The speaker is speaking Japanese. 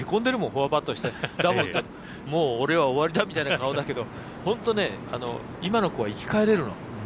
フォアパットにしてもう俺は終わりだみたいな顔だけどほんと、今の子は生き返れるの。